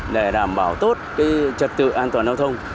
để đảm bảo tốt trật tự an toàn giao thông